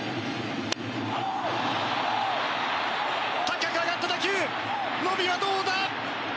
高く上がった打球伸びはどうだ？